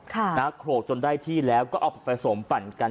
ค่ะโขลกจนได้ที่แล้วก็เอาแล้วก็ผสมปั่นกัน